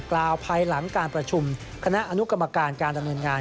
กล่าวภายหลังการประชุมคณะอนุกรรมการการดำเนินงาน